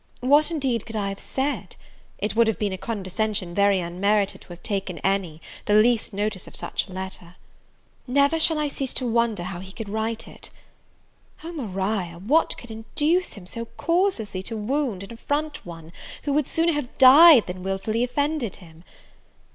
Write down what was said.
What, indeed, could I have said? it would have been a condescension very unmerited to have taken any, the least notice of such a letter. Never shall I cease to wonder how he could write it. Oh, Maria! what, what could induce him so causelessly to wound and affront one who would sooner have died than wilfully offended him?